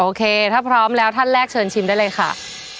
โอเคถ้าพร้อมแล้วท่านแรกเชิญชิมได้เลยค่ะ